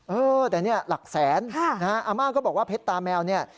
เออแต่เนี่ยหลักแสนอาม่าก็บอกว่าเพชรตาแมวเนี่ย